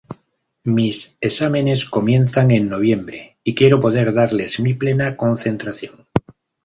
Mis exámenes comienzan en noviembre y quiero poder darles mi plena concentración".